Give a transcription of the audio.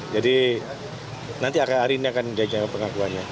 jadi nanti akhir akhir ini akan dia jawab pengakuannya